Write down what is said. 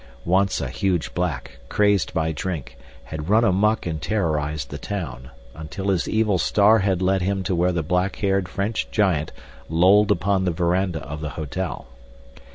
Once a huge black, crazed by drink, had run amuck and terrorized the town, until his evil star had led him to where the black haired French giant lolled upon the veranda of the hotel.